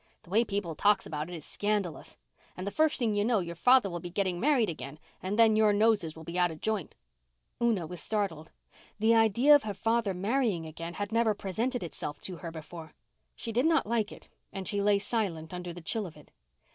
The way people talks about it is scandalous. And the first thing you know your father will be getting married again and then your noses will be out of joint." Una was startled. The idea of her father marrying again had never presented itself to her before. She did not like it and she lay silent under the chill of it.